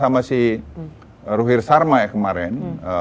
sama si ruhir sarma ya kemarin